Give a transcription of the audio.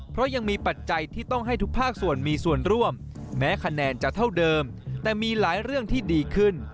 เพราะยังมีปัจจัยที่ต้องให้ทุกภาคส่วนมีส่วนร่วมแม้คะแนนจะเท่าเดิมแต่มีหลายเรื่องที่ดีขึ้น